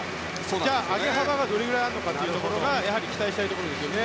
じゃあ、上げ幅がどれくらいあるのかを期待したいところですよね。